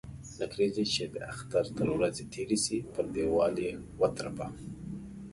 نکريزي چې د اختر تر ورځي تيري سي ، پر ديوال يې و ترپه.